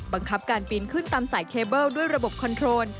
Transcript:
บังคับการปีนขึ้นตามสายเคเบิลด้วยระบบคอนโทรล